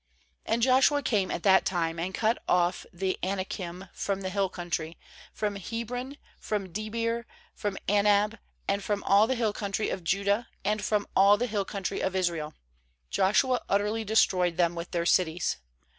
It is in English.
^And Joshua came at that time, and cut off the Anakun from the hill country, from Hebron, from Debir, from Anab, and from all the hill country of Judah, and from all the hill country of Israel; Joshua utterly destroyed them "with their cities.